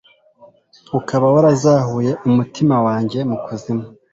ukaba warazahuye umutima wanjye mu kuzimu